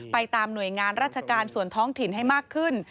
ไปตามหน่วยงานราชการส่วนท้องถิ่นให้มากขึ้น